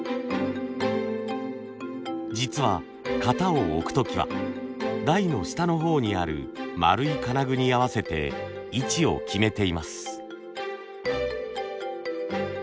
実は型を置く時は台の下の方にある丸い金具に合わせて位置を決めています。